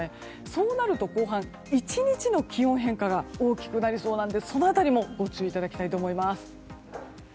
そうなると、後半１日の気温変化が大きくなりそうなのでその辺りもご注意いただきたいと思います。